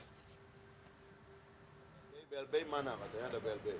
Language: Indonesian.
ini blbi mana katanya ada blb